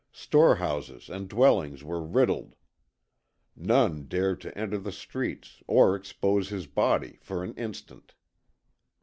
Storehouses and dwellings were riddled. None dared to enter the streets, or expose his body for an instant.